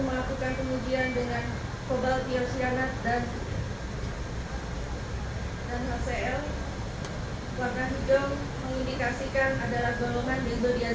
wakil kepala kepolisian republik indonesia